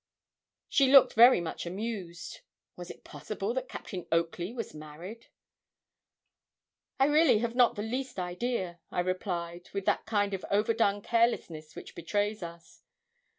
She looked very much amused. Was it possible that Captain Oakley was married? 'I really have not the least idea,' I replied, with that kind of overdone carelessness which betrays us.